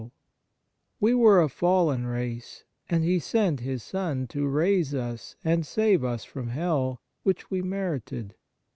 Fraternal Charity We were a fallen race, and He sent His Son to raise us and save us from hell, which we merited.